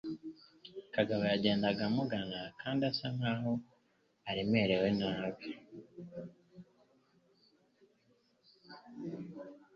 Kagabo yagendaga amugana kandi asa nkaho aremerewe nabi,